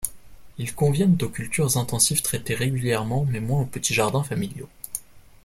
Ils conviennent aux cultures intensives traitées régulièrement mais moins aux petits jardins familiaux.